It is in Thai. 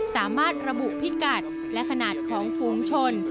สามารถระบุพิกัดและขนาดของฝูงชน